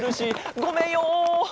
ごめんよ！